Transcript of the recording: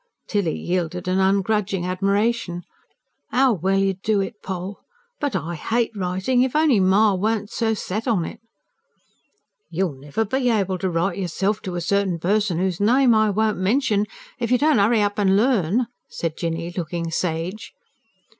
Tilly yielded an ungrudging admiration. "'Ow well you do it, Poll! But I HATE writing. If only ma weren't so set on it!" "You'll never be able to write yourself to a certain person, 'oos name I won't mention, if you don't 'urry up and learn," said Jinny, looking sage.